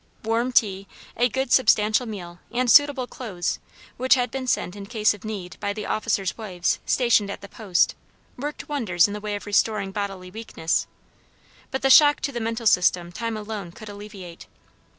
Warm tea, a good substantial meal, and suitable clothes, which had been sent in case of need by the officers' wives stationed at the 'Post,' worked wonders in the way of restoring bodily weakness; but the shock to the mental system time alone could alleviate.